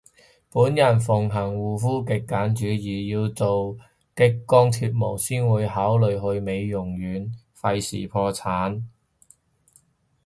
本人奉行護膚極簡主義，要做激光脫毛先會考慮去美容院，廢事破產